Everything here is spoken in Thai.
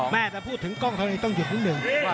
แม่แต่พูดถึงก้องทรณีต้องหยุดนึง